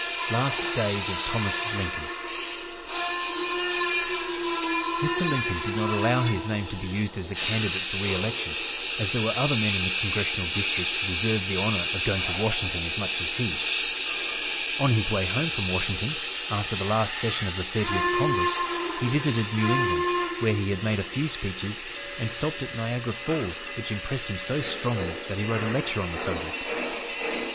LAST DAYS OF THOMAS LINCOLN Mr. Lincoln did not allow his name to be used as a candidate for re election, as there were other men in the congressional district who deserved the honor of going to Washington as much as he. On his way home from Washington, after the last session of the Thirtieth Congress, he visited New England, where he made a few speeches, and stopped at Niagara Falls, which impressed him so strongly that he wrote a lecture on the subject.